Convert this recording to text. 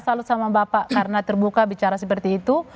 salut sama bapak karena terbuka bicara seperti itu